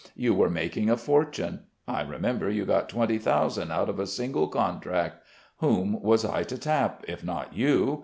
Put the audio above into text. You were making a fortune. I remember you got twenty thousand out of a single contract. Whom was I to tap, if not you?